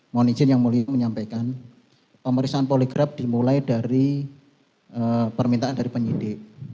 mohon izin yang mulia menyampaikan pemeriksaan poligraf dimulai dari permintaan dari penyidik